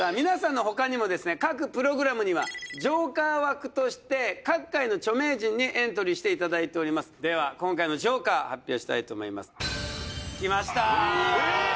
皆さんのほかにも各プログラムにはジョーカー枠として各界の著名人にエントリーしていただいておりますでは今回のジョーカー発表したいと思いますきました！